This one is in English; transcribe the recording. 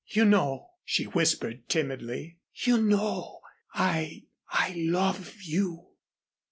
You know," she whispered, timidly, "you know I I love you."